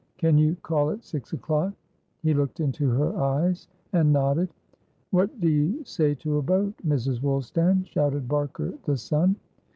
"Can you call at six o'clock?" He looked into her eyes, and nodded. "What do you say to a boat, Mrs. Woolstan?" shouted Barker the son.